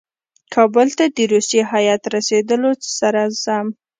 کابل ته د روسي هیات رسېدلو سره سم.